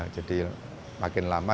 jadi makin lama